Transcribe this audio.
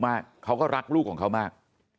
เขาก็รักลูกของเขามาก